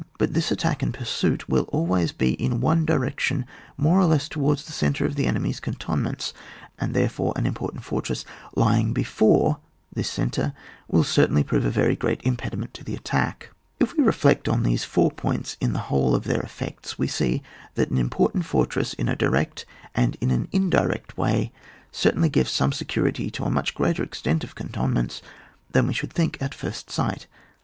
But this attack and pursuit will always be in a direction more or less towards the centre of the enemy's cantonments, and, there fore, an important fortress lying he/ore this centre will certainly prove a very great impediment to the attack. If we reflect on these four points in the whole of their effects, we see that an important fortress in a direct and in an indirect way certcdnly gives some security to a much greater extent of cantonments than we should think at first sight.